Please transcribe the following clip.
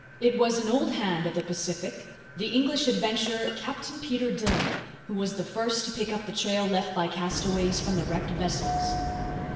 It was an old hand at the Pacific, the English adventurer Captain Peter Dillon, who was the first to pick up the trail left by castaways from the wrecked vessels.